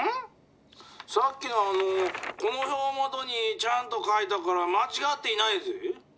さっきのこの表をもとにちゃんと書いたからまちがっていないぜぇ。